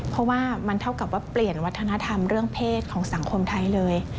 เพราะว่ามันเท่ากับว่าเปลี่ยนวัฒนธรรมเรื่องเพศของสังคมไทยเลย